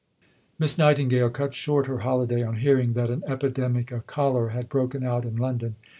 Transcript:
Miss Nightingale cut short her holiday on hearing that an epidemic of cholera had broken out in London.